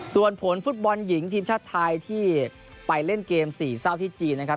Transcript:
ส่วนผลฟุตบอลหญิงทีมชาติไทยที่ไปเล่นเกมสี่เศร้าที่จีนนะครับ